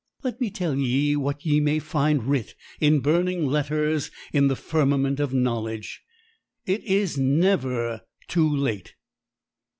Let me tell ye what ye may find writ in burning letters in the firmament of knowledge: _it is never too late!